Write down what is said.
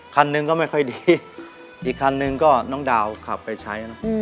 คันหนึ่งก็ไม่ค่อยดีอีกคันนึงก็น้องดาวขับไปใช้นะ